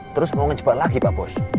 terus mau ngejebak lagi pak bos